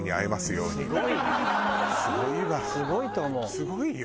すごいよ。